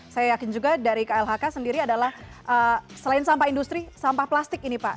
saya yakin juga dari klhk sendiri adalah selain sampah industri sampah plastik ini pak